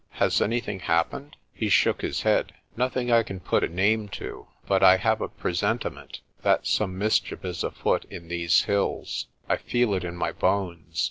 "Has anything happened?' He shook his head. "Nothing I can put a name to. But I have a presentiment that some mischief is afoot in these hills. I feel it in my bones."